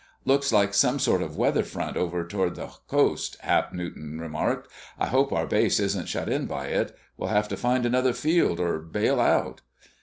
"Looks like some sort of a weather front, over toward the coast," Hap Newton remarked. "I hope our base isn't shut in by it. We'd have to find another field or bail out...."